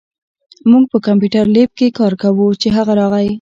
مونږ په کمپیوټر لېب کې کار کوو، چې هغه راغی